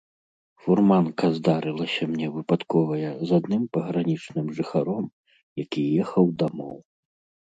Фурманка здарылася мне выпадковая з адным пагранічным жыхаром, які ехаў дамоў.